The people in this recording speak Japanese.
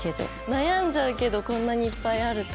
悩んじゃうけどこんなにいっぱいあると。